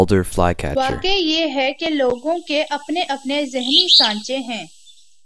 واقعہ یہ ہے کہ لوگوں کے اپنے اپنے ذہنی سانچے ہیں۔